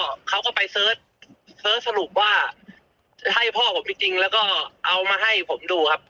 ก็เขาก็ไปเสิร์ชเสิร์ชสรุปว่าให้พ่อผมจริงแล้วก็เอามาให้ผมดูครับ